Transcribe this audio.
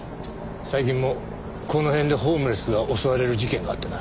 最近もこの辺でホームレスが襲われる事件があったな。